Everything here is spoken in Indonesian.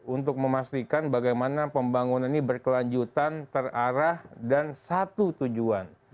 untuk memastikan bagaimana pembangunan ini berkelanjutan terarah dan satu tujuan